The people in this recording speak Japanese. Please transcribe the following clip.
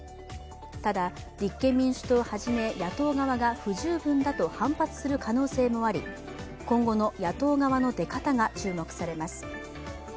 ただ、立憲民主党をはじめ野党側が不十分だと反発する可能性もあり今後の野党側の出方が注目されます。